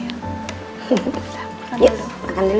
yuk makan dulu